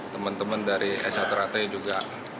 teman teman dari s satu teratai juga